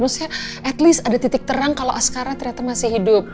maksudnya at least ada titik terang kalau askara ternyata masih hidup